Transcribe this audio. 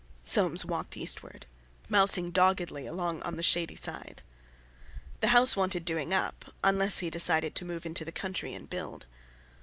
Soames walked eastwards, mousing doggedly along on the shady side. The house wanted doing, up, unless he decided to move into the country, and build.